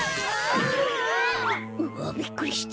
うわっびっくりした。